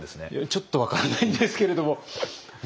ちょっと分からないんですけれども。